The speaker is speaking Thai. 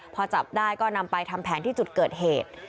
พอจับได้ก็นำไปทำแผนที่จุดเกิดเหตุ